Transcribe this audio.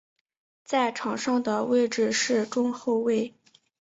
在场上的位置是中后卫。